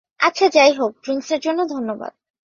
আচ্ছা, যাই হউক, ড্রিংকসের জন্য ধন্যবাদ।